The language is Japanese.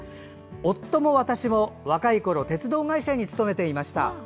夫も私も若いころ鉄道会社に勤めていました。